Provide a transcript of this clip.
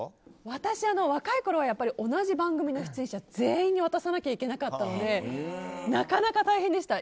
私、若いころは同じ番組の出演者全員に渡さないといけなくてなかなか大変でした。